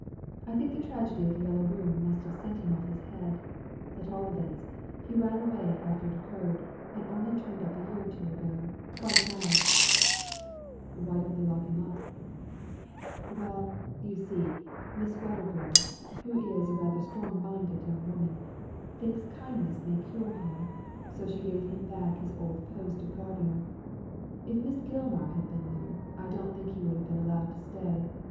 I think the tragedy of the Yellow Room must have sent him off his head. At all events, he ran away after it occurred, and only turned up a year or two ago, quite mad," Digitized by Google THE DIAMOND NECKLACE 125 *' Why didn't they lock him up ?"" Well, you see, Miss Wedderburn (who is rather a strong minded young woman) thinks kindness may cure him; so she gave him back his old post of gardener. If Miss Gilmar had been there, I don't tiiink he would have been allowed to stay.